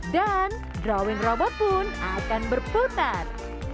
dan drawing robot pun akan berputar